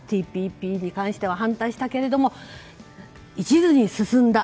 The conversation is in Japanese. ＴＰＰに関しては反対したけれども一途に進んだ。